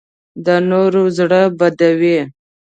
د نورو زړه بدوي